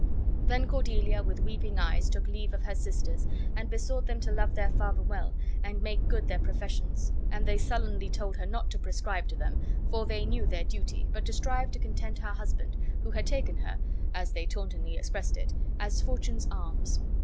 Then Cordelia with weeping eyes took leave of her sisters, and besought them to love their father well and make good their professions; and they sullenly told her not to prescribe to them, for they knew their duty, but to strive to content her husband, who had taken her (as they tauntingly expressed it) as Fortune's alms.